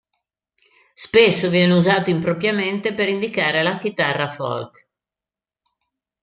Spesso viene usato impropriamente per indicare la chitarra folk.